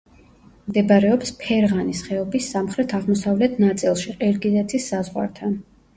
მდებარეობს ფერღანის ხეობის სამხრეთ-აღმოსავლეთ ნაწილში, ყირგიზეთის საზღვართან.